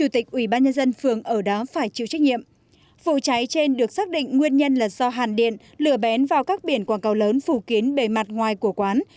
thật do hàn điện lửa bén vào các biển quảng cáo lớn phủ kiến bề mặt ngoài của quán